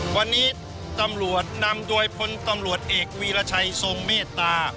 วันนี้ตำรวจนำโดยพลตำรวจเอกวีรชัยทรงเมตตา